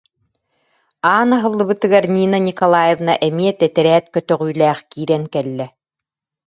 Аан аһыллыбытыгар Нина Николаевна эмиэ тэтэрээт көтөҕүүлээх киирэн кэллэ